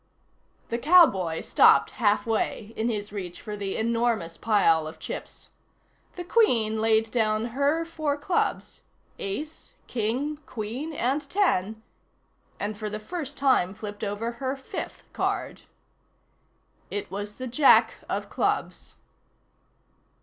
The cowboy stopped halfway in his reach for the enormous pile of chips. The Queen laid down her four clubs Ace, King, Queen and ten and for the first time flipped over her fifth card. It was the Jack of clubs.